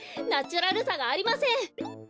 ナチュラルさがありません！